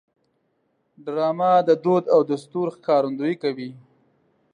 ډرامه د دود او دستور ښکارندویي کوي